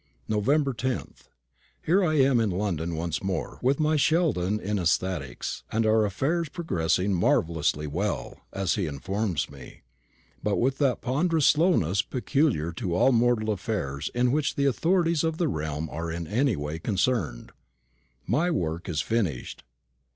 Nov. 10th. Here I am in London once more, with my Sheldon in ecstatics, and our affairs progressing marvellously well, as he informs me; but with that ponderous slowness peculiar to all mortal affairs in which the authorities of the realm are in any way concerned. My work is finished.